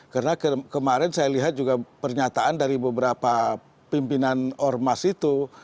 karena kemarin saya lihat juga pernyataan dari beberapa pimpinan ormas itu